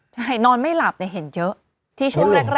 ใช่นอนไม่หลับเห็นเยอะที่ช่วงแรก